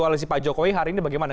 mas nyarwi bagaimana